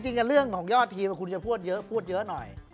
จริงเรื่องของยอดทีมคุณจะพูดเยอะพูดเยอะหน่อย